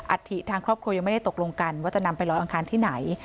ฐิทางครอบครัวยังไม่ได้ตกลงกันว่าจะนำไปลอยอังคารที่ไหน